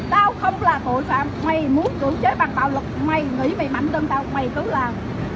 tao không là tội phạm mày muốn cưỡng chế bằng pháp luật mày nghĩ mày mạnh tân tao mày cứ làm